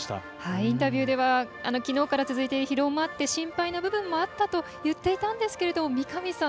インタビューではきのうから続いている疲労もあって心配な部分もあったといっていたんですが三上さん